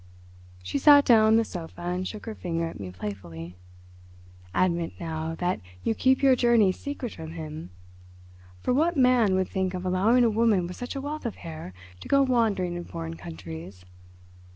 She sat down on the sofa and shook her finger at me playfully. "Admit, now, that you keep your journeys secret from him. For what man would think of allowing a woman with such a wealth of hair to go wandering in foreign countries?